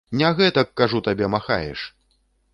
Не гэтак, кажу табе, махаеш!